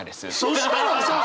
そしたらさ！